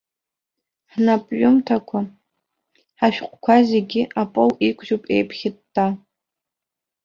Ҳнапҩымҭақәа, ҳашәҟәқәа зегьы апол иқәжьуп еиԥхьытта.